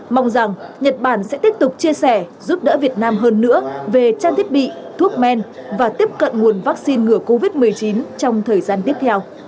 mong rằng nhật bản sẽ tiếp tục chia sẻ giúp đỡ việt nam hơn nữa về trang thiết bị thuốc men và tiếp cận nguồn vaccine ngừa covid một mươi chín trong thời gian tiếp theo